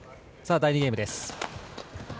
第２ゲームです。